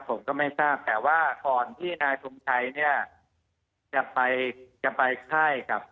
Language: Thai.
ผมก็ไม่ทราบแต่ว่าก่อนที่นายทงชัยเนี่ยจะไปจะไปค่ายกับ